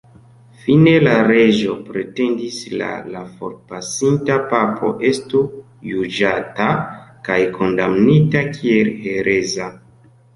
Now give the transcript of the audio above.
Fine la reĝo pretendis la la forpasinta papo estu juĝata kaj kondamnita kiel hereza.